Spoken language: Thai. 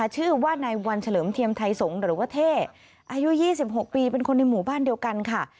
ชื่อว่านายวันเฉลิมเทียมไทยสงฆ์หรือว่าเท่อายุ๒๖ปีเป็นคนในหมู่บ้านเดียวกันค่ะ